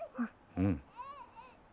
うん。